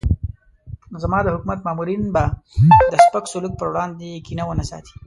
زما د حکومت مامورین به د سپک سلوک پر وړاندې کینه ونه ساتي.